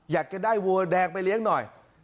อยากจะได้วัวแดงไปเลี้ยงหน่อย